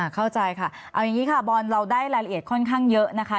เข้าใจค่ะเอาอย่างนี้ค่ะบอลเราได้รายละเอียดค่อนข้างเยอะนะคะ